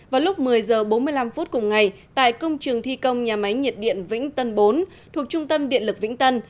vào lúc một mươi h bốn mươi năm cùng ngày tại công trường thi công nhà máy nhiệt điện vĩnh tân bốn thuộc trung tâm điện lực vĩnh tân